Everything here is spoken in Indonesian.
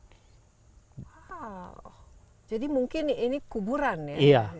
wow jadi mungkin ini kuburan ya